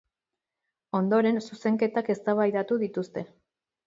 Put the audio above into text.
Ondoren zuzenketak eztabaidatu dituzte.